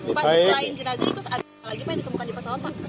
selain jenasa itu ada apa lagi yang ditemukan di pesawat pak